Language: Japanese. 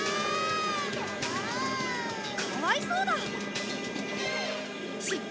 かわいそうだ！シッ！